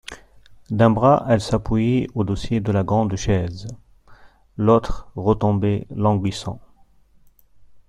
D'un bras elle s'appuyait au dossier de la grande chaise ; l'autre retombait languissant.